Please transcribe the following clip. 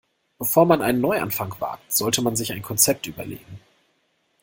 Bevor man einen Neuanfang wagt, sollte man sich ein Konzept überlegen.